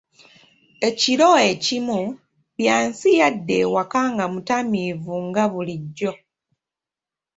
Ekiro ekimu, Byansi yadda ewaka nga mutamiivu nga bulijjo.